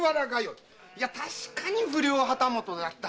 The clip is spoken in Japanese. いや確かに不良旗本だった。